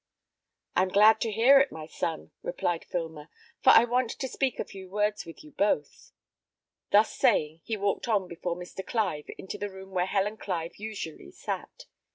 "I am glad to hear it, my son," replied Filmer, "for I want to speak a few words with you both." Thus saying, he walked on before Mr. Clive into the room where Helen Clive usually sat.